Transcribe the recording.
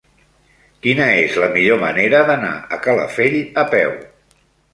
Quina és la millor manera d'anar a Calafell a peu?